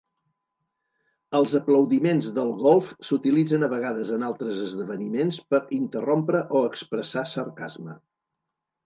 Els aplaudiments del golf s'utilitzen a vegades en altres esdeveniments per interrompre o expressar sarcasme.